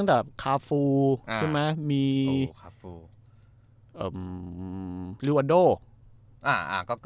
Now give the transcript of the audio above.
หรืออัลโด่